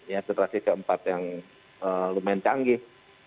ya generasi keempat yang lumayan canggih